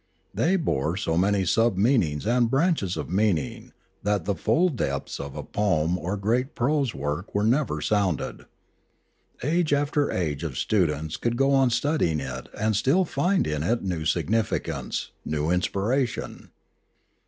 They bore so many sub meanings and branches of meaning that the full depths of a poem or great prose work were never sounded. Age after age of students could go on studying it aud still find in it new significance, new inspiration.